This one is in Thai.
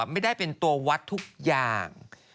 ไม่ได้เป็นตัววัดทุกอย่าง